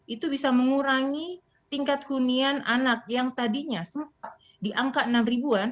itu bisa mengurangi tingkat hunian anak yang tadinya sempat di angka enam ribuan